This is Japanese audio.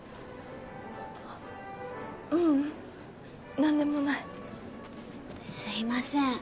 あっううん何でもないすいません